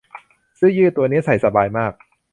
เสื้อยืดตัวนี้ใส่สบายมาก